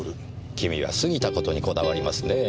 君は過ぎた事にこだわりますねぇ。